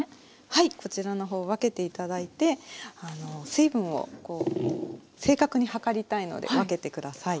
はいこちらの方分けて頂いて水分を正確に量りたいので分けて下さい。